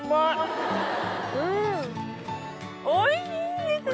おいしいですね！